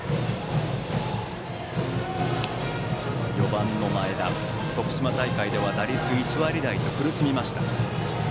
４番の前田、徳島大会では打率１割台と苦しみました。